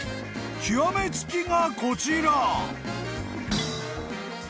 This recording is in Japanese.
［極め付きがこちら］